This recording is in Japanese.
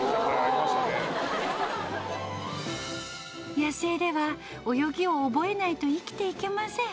野生では泳ぎを覚えないと生きていけません。